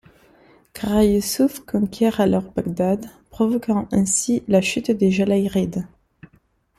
Kara Youssouf conquiert alors Bagdad, provoquant ainsi la chute des Jalayirides.